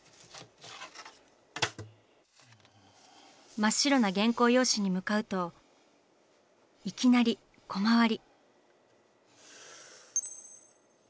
真っ白な原稿用紙に向かうといきなりコマ割り。